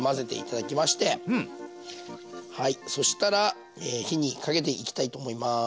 そしたら火にかけていきたいと思います。